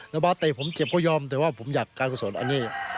น้ำบาทเตะผมเจ็บก็ยอมแต่ว่าผมอยากการส่วนอันนี้